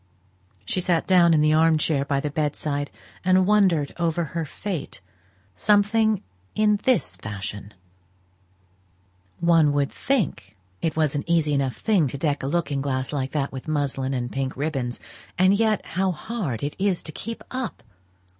She sate down in the arm chair by the bed side, and wondered over her fate something in this fashion "One would think it was an easy enough thing to deck a looking glass like that with muslin and pink ribbons; and yet how hard it is to keep it up!